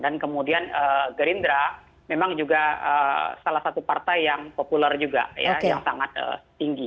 dan kemudian gerindra memang salah satu partai yang populer juga yang sangat tinggi